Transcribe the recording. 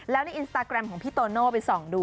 แล้วในอินสตาแกรมของพี่โตโน่ไปส่องดู